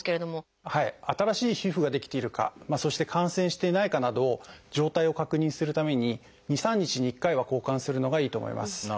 新しい皮膚が出来ているかそして感染していないかなど状態を確認するために２３日に１回は交換するのがいいと思います。